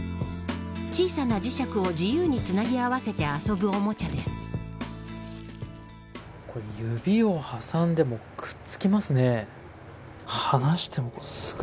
小さな磁石を自由につなぎ合わせて遊ぶ指を挟んでもくっつきますね。